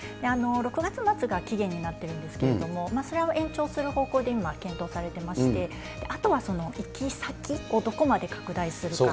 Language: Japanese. ６月末が期限になっているんですけれども、それは延長する方向で今、検討されていまして、あとはその行き先をどこまで拡大するか。